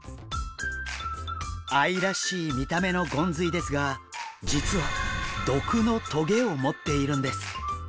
愛らしい見た目のゴンズイですが実は毒の棘を持っているんです。